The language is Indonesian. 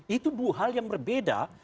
itu dua hal yang berbeda